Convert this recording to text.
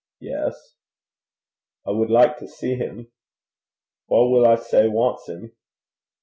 'Yes.' 'I wad like to see him.' 'Wha will I say wants him?'